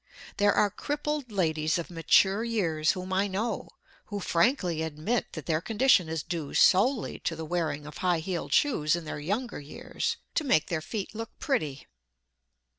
There are crippled ladies of mature years whom I know, who frankly admit that their condition is due solely to the wearing of high heeled shoes in their younger years, "to make their feet look pretty."